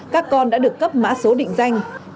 các con đã được cấp mã số định danh